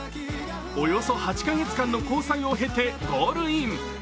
およそ８カ月間の交際を経てゴールイン。